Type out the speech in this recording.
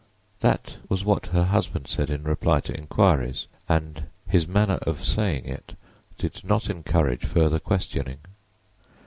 That was what her husband said in reply to inquiries, and his manner of saying it did not encourage further questioning.